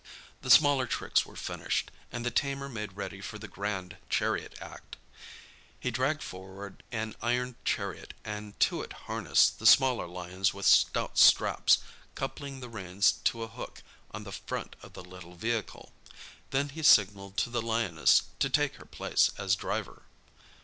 The smaller tricks were finished, and the tamer made ready for the grand "chariot act." He dragged forward an iron chariot and to it harnessed the smaller lions with stout straps, coupling the reins to a hook on the front of the little vehicle. Then he signalled to the lioness to take her place as driver.